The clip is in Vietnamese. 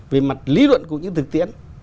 về mặt lý luận cũng như thực tiễn